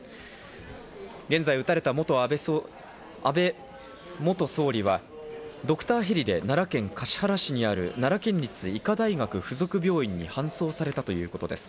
現在、撃たれた安倍元総理はドクターヘリで奈良県橿原市にある奈良県立医科大学附属病院に搬送されたということです。